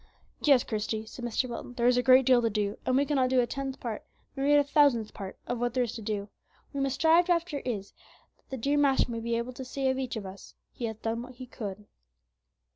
"Yes, Christie," said Mr. Wilton, "there is a great deal to do, and we cannot do a tenth part, nor yet a thousandth part, of what there is to do; what we must strive after is, that the dear Master may be able to say of each of us, 'He hath done what he could.'"